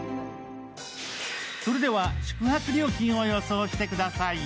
それでは宿泊料金を予想してください。